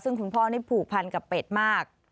ซึ่งคุณพ่อนี่ผูกพันกับเป็ดมาก